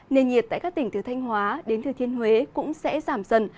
nền nhiệt tại các tỉnh từ thanh hóa đến thừa thiên huế cũng sẽ giảm dần